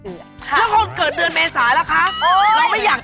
และคู่นี้ความเกิดเดือนเมษาแล้วค่ะ